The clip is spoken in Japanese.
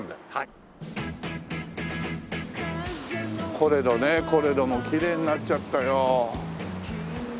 コレドねコレドもきれいになっちゃったよ。